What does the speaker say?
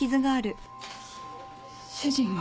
主人は？